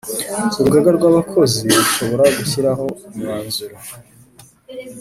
Urugaga rw’ abakozi rushobora gushyiraho umwanzuro